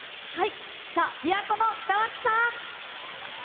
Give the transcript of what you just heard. さあ、びわ湖の北脇さん。